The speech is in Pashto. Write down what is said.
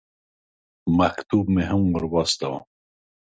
مکتوب مې هم ور واستاوه.